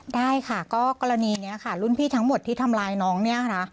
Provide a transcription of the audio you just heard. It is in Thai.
ได้ค่ะก็กรณีนี้ค่ะรุ่นพี่ทั้งหมดที่ทำร้ายน้องเนี่ยค่ะ